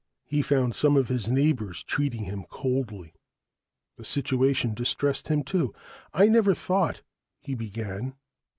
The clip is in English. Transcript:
He found some of his neighbors treating him coldly. The situation distressed him, too. "I never thought " he began.